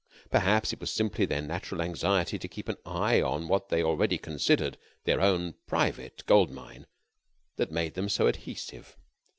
Perhaps it was simply their natural anxiety to keep an eye on what they already considered their own private gold mine that made them so adhesive.